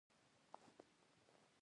زه هره ورځ ګرځم